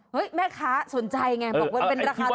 เฮ้ยแม่ค้าสนใจไงบอกว่าเป็นราคาโรงงาน